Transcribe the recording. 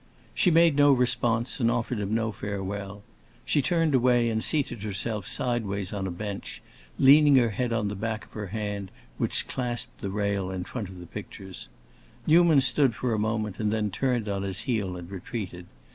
She made no response, and offered him no farewell. She turned away and seated herself sidewise on a bench, leaning her head on the back of her hand, which clasped the rail in front of the pictures. Newman stood a moment and then turned on his heel and retreated.